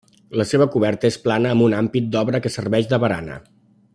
La seva coberta és plana amb un ampit d'obra que serveix de barana.